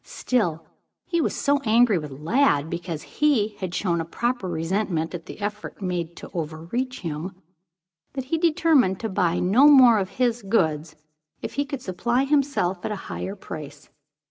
Still, he was so angry with Lladd because he had shown a proper resentment at the effort made to overreach him, that he determined to buy no more of his goods if he could supply himself at a higher price.